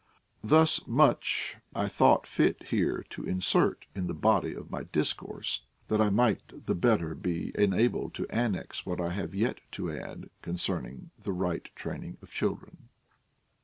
Thus much I thought fit here to insert in the body of my discourse, that I might the better be enabled to annex what I have yet to add concerning the right training of children.